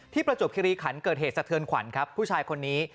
ประจวบคิริขันเกิดเหตุสะเทือนขวัญครับผู้ชายคนนี้